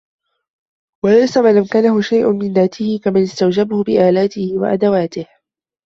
وَلَيْسَ مَنْ أَمْكَنَهُ شَيْءٌ مِنْ ذَاتِهِ ، كَمَنْ اسْتَوْجَبَهُ بِآلَتِهِ ، وَأَدَوَاتِهِ